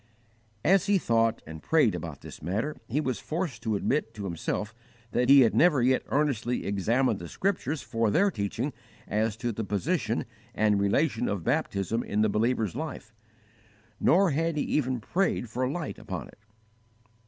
As he thought and prayed about this matter, he was forced to admit to himself that he had never yet earnestly examined the Scriptures for their teaching as to the position and relation of baptism in the believer's life, nor had he even prayed for light upon it.